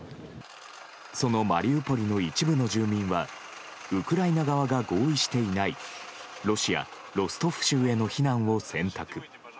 そのマリウポリの一部の住民はウクライナ側が合意していないロシア・ロストフ州への避難を選択。